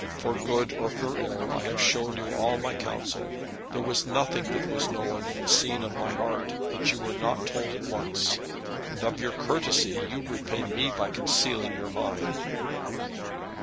For good or for ill I have shown you all my counsel. There was nothing that was known and seen of my heart that you were not told at once; and of your courtesy you repay me by concealing your mind.